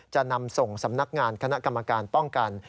จะนำส่งสำนักงานคณะกรรมการป้องกัน